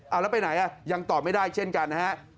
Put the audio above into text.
เอาแล้วไปไหนอ่ะยังตอบไม่ได้เช่นกันนะฮะ